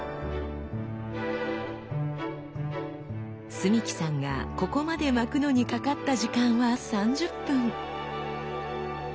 澄輝さんがここまで巻くのにかかった時間は３０分。